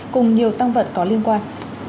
cùng nhiều tăng vật có liên quan